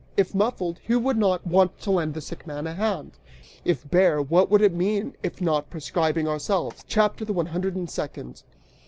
If muffled, who would not want to lend the sick man a hand? If bare, what would it mean if not proscribing ourselves?" CHAPTER THE ONE HUNDRED AND SECOND.